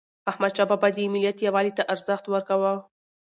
احمدشاه بابا د ملت یووالي ته ارزښت ورکاوه.